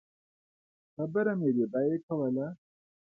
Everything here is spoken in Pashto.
خبره مې د بیې کوله.